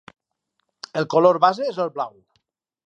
El color base és el blau.